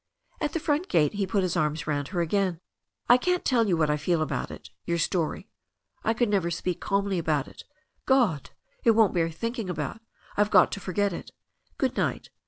At the front gate he put his arms round her again. "I can't tell you what T feel about it — ^your story. I could never speak calmly about it. God! it won't bear thinking abouf— I've got to forget it. Good night.